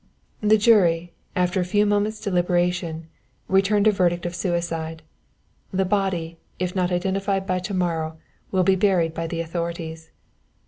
_ "_The jury, after a few moments' deliberation, returned a verdict of suicide. The body, if not identified by to morrow, will be buried by the authorities.